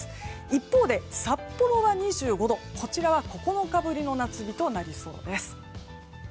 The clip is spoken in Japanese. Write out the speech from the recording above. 一方で札幌は２５度こちらは９日ぶりの夏日となりそうです。